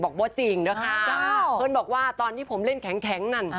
บอกว่าจริงนะคะเพื่อนบอกว่าตอนที่ผมเล่นแข็งนั่น